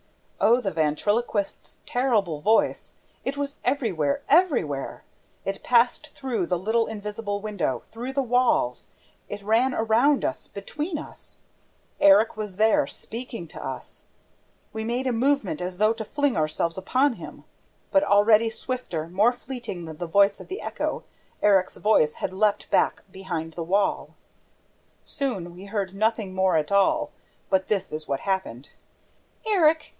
'" Oh, the ventriloquist's terrible voice! It was everywhere, everywhere. It passed through the little invisible window, through the walls. It ran around us, between us. Erik was there, speaking to us! We made a movement as though to fling ourselves upon him. But, already, swifter, more fleeting than the voice of the echo, Erik's voice had leaped back behind the wall! Soon we heard nothing more at all, for this is what happened: "Erik!